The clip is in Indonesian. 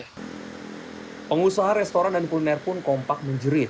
pengusaha restoran dan kuliner pun kompak menjerit